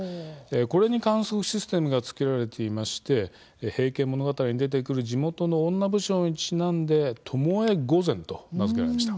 これに観測システムがつけられ「平家物語」に出てくる地元の女武将にちなんでトモエゴゼンと名付けられました。